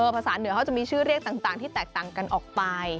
ภาษาเหนือเขาจะมีชื่อเรียกต่างที่แตกต่างกันออกไป